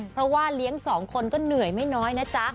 เพราะว่าเลี้ยงสองคนก็เหนื่อยไม่น้อยนะจ๊ะ